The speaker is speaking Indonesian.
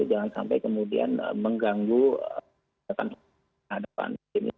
jangan sampai kemudian mengganggu kepentingan di hadapan